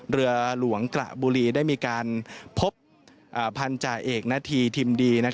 เรือหลวงกระบุรีได้มีการพบพันธาเอกนาธีทิมดี